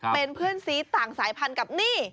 เป็นเพื่อนซีสต่างสายพันธุ์กับนี่